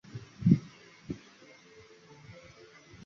陈晓林说明此举乃经古龙生前授意。